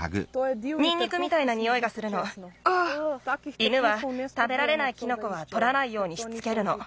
犬はたべられないキノコはとらないようにしつけるの。